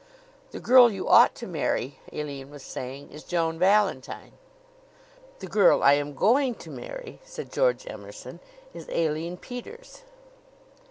"The girl you ought to marry," Aline was saying, "is Joan Valentine." "The girl I am going to marry," said George Emerson, "is Aline Peters."